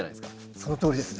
そのとおりですね。